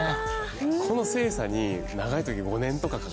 この精査に長いとき５年とかかかる。